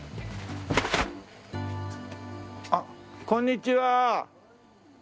あっこんにちは。